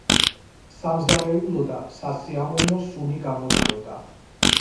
სამზარეულოდან სასიამოვნო სუნი გამოდიოდა.